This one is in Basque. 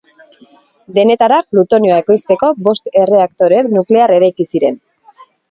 Denetara plutonioa ekoizteko bost erreaktore nuklear eraiki ziren.